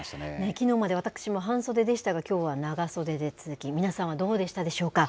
きのうまで私も半袖でしたが、きょうは長袖で通勤、皆さんはどうでしたでしょうか。